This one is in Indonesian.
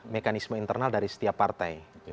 mekanisme internal dari setiap partai